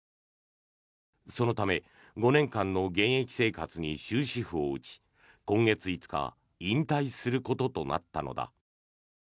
そのため５年間の現役生活に終止符を打ち今月５日引退することとなったのだ。